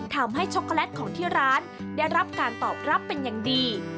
ช็อกโกแลตของที่ร้านได้รับการตอบรับเป็นอย่างดี